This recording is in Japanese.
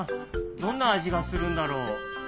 どんなあじがするんだろう？